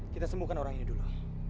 kita sembuhkan orang ini dulu